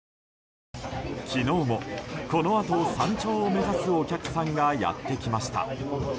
昨日も、このあと山頂を目指すお客さんがやってきました。